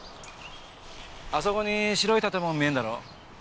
あそこに白い建物見えるだろ？